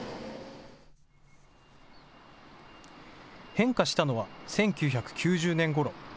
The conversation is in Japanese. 変化したのは１９９０年ごろ。